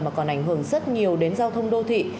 mà còn ảnh hưởng rất nhiều đến giao thông đô thị